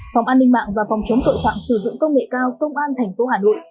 phòng an ninh mạng và phòng chống tội phạm sử dụng công nghệ cao công an tp hà nội